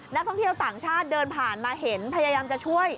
นักท่องเที่ยวต่างชาติเดินผ่านมาเห็นพยายามจะช่วย